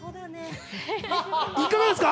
いかがですか？